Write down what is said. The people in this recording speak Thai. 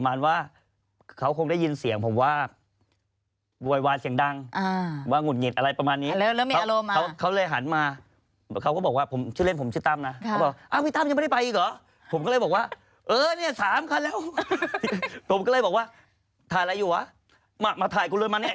ไม่ได้เกี่ยวอะไรกับคุณดาจิงเลย